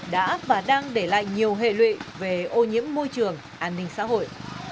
đã và đang để lại nhiều hệ lụy về ô nhiễm môi trường an ninh xã hội